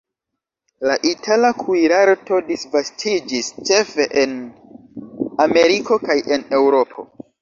La itala kuirarto disvastiĝis ĉefe en Ameriko kaj en Eŭropo.